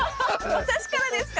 私からですか？